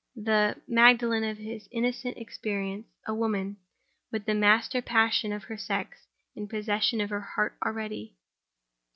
The Magdalen of his innocent experience, a woman—with the master passion of her sex in possession of her heart already!